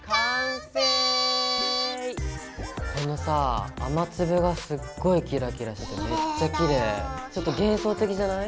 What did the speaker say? このさ雨粒がすっごいキラキラしててめっちゃきれい！